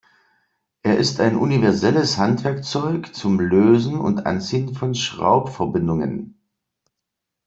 Er ist ein universelles Handwerkzeug zum Lösen und Anziehen von Schraubverbindungen.